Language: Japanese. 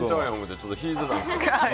ちょっと引いてたんですけど。